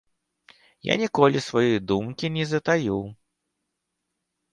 Я ніколі сваёй думкі не затаю.